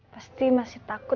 pasti masih takut